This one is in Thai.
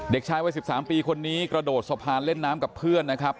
เด็กชายวัย๑๓ปีคนนี้กระโดดสะพานเล่นน้ำกับเพื่อนนะครับ